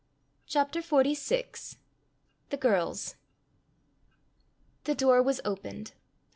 CHAPTER XLVI. THE GIRLS. The door was opened.